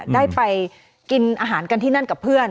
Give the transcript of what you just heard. ได้ไปกินอาหารกันที่นั่นกับเพื่อน